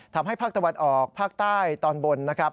ภาคตะวันออกภาคใต้ตอนบนนะครับ